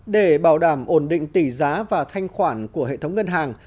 để bảo đảm ổn định tỷ giá và thanh khoản của hệ thống ngân hàng